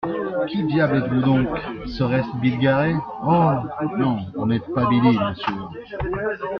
Qui diable êtes-vous donc ! Serait-ce Bill Garey ? Oh ! non, vous n'êtes pas Billye, bien sûr.